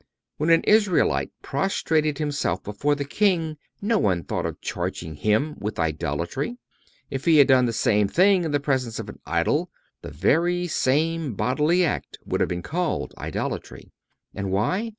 When an Israelite prostrated himself before the king no one thought of charging him with idolatry. If he had done the same thing in the presence of an idol, the very same bodily act would have been called idolatry. And why?